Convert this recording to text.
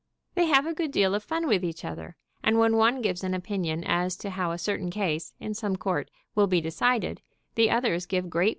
They have a good deal of fun with each other, and when one gives an opinion as to how a certain case, in some court, will be decided, the others give great " Do I have to pay these bills